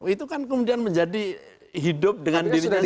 itu kan kemudian menjadi hidup dengan dirinya sendiri